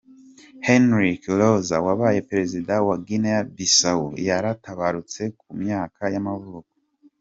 Henrique Rosa, wabaye perezida wa Guinee Bissau yaratabarutse, ku myaka y’amavuko.